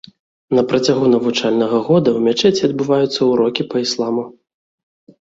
На працягу навучальнага года ў мячэці адбываюцца ўрокі па ісламу.